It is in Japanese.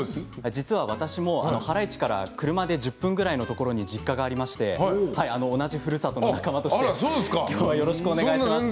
私も原市から車で１０分ぐらいのところに実家がありまして同じふるさとの仲間としてよろしくお願いします。